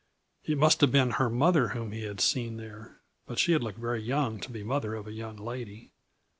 It must have been her mother whom he had seen there but she had looked very young to be mother of a young lady.